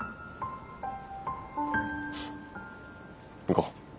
行こう。